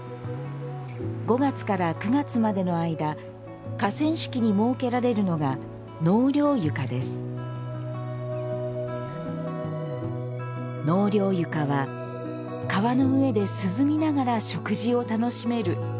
５月から９月までの間河川敷に設けられるのが納涼床は川の上で涼みながら食事を楽しめる特等席。